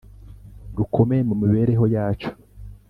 rukomeye mu mibereho yacu